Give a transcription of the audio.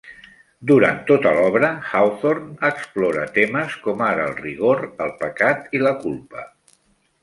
Durant tota l'obra, Hawthorne explora temes com ara el rigor, el pecat i la culpa.